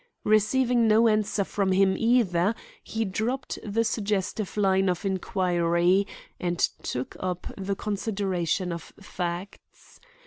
Receiving no answer from him either, he dropped the suggestive line of inquiry and took up the consideration of facts.